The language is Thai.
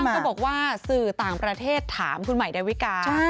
ก็บอกว่าสื่อต่างประเทศถามคุณใหม่ดาวิกา